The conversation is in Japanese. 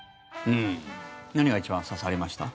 何が一番刺さりました？